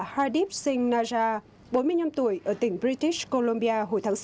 hardeep singh naja bốn mươi năm tuổi ở tỉnh british columbia hồi tháng sáu